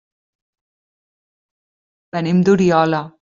Venim d'Oriola.